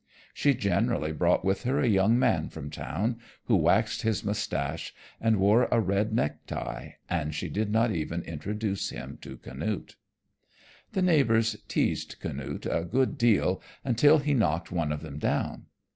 She generally brought with her a young man from town who waxed his mustache and wore a red necktie, and she did not even introduce him to Canute. The neighbors teased Canute a good deal until he knocked one of them down.